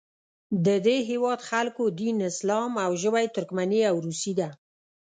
د دې هیواد خلکو دین اسلام او ژبه یې ترکمني او روسي ده.